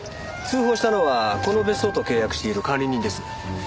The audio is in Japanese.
通報したのはこの別荘と契約している管理人です。